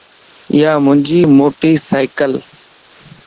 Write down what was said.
يا ھنجي موٽي سيڪلَ